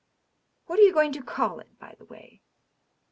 What are you going to call it, by the way